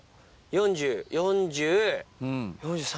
４０４３．１。